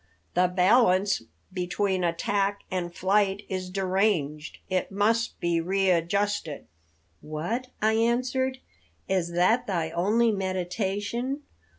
The balance between attack and flight is deranged; it must be readjusted." "What!" I answered, "is that thy only meditation?